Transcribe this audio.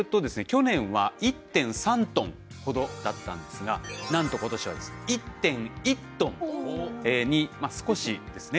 去年は１．３トンほどだったんですがなんと今年はですね１．１トンに少しですね